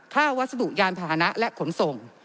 ค่าวัสดุยานภาณะและขนส่ง